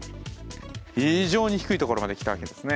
非常に低いところまできたわけですね。